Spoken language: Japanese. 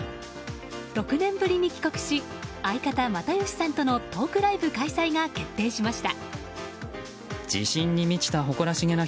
６年ぶりに帰国し相方・又吉さんとのトークライブ開催が決定しました。